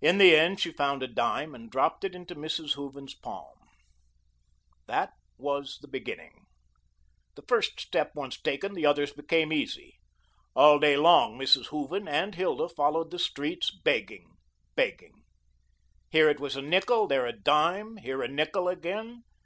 In the end, she found a dime, and dropped it into Mrs. Hooven's palm. That was the beginning. The first step once taken, the others became easy. All day long, Mrs. Hooven and Hilda followed the streets, begging, begging. Here it was a nickel, there a dime, here a nickel again.